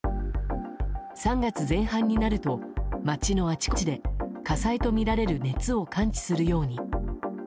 ３月前半になると街のあちこちで火災とみられる熱を感知するように。